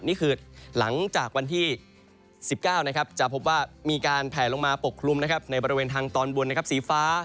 นี่คือหลังจากวันที่๑๙จะพบว่ามีการแผลลงมาปกคลุมในบริเวณทางตอนบนสีฟ้า